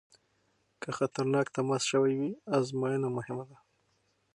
که خطرناک تماس شوی وي ازموینه مهمه ده.